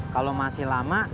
kalo masih lama